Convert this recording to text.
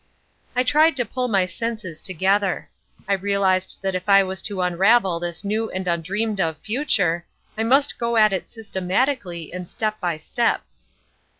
I tried to pull my senses together. I realised that if I was to unravel this new and undreamed of future, I must go at it systematically and step by step.